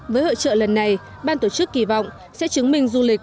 với hội trợ lần này ban tổ chức kỳ vọng sẽ chứng minh du lịch